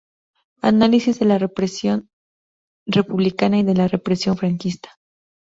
Análisis de la represión republicana y de la represión franquista".